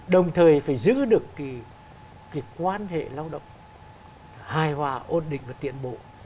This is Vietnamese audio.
đồng thời phải giữ được cái quan hệ lao động hài hòa ổn định và tiện bộ